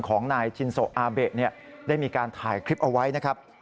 ของนายทินโซอาเบะได้มีการถ่ายคลิปเอาไว้นะครับ